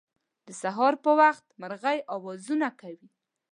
د سهار په وخت مرغۍ اوازونه کوی